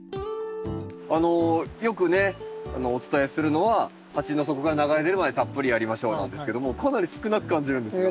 あのよくねお伝えするのは「鉢の底から流れ出るまでたっぷりやりましょう」なんですけどもかなり少なく感じるんですが。